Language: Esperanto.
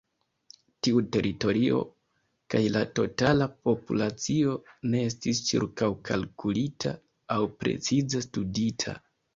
Tiu teritorio kaj la totala populacio ne estis ĉirkaŭkalkulita aŭ precize studita.